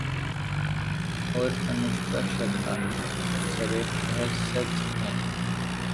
اور انوشکا شرما سرِ فہرست ہیں